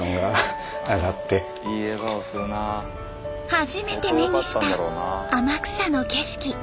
初めて目にした天草の景色。